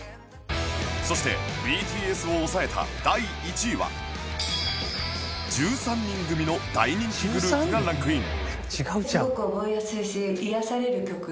そして ＢＴＳ を抑えた第１位は１３人組の大人気グループがランクイン